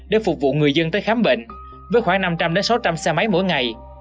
để phục vụ người dân tới khám bệnh với khoảng năm trăm linh sáu trăm linh xe máy mỗi ngày